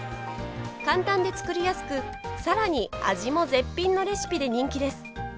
簡単で作りやすく、さらに味も絶品のレシピで人気です。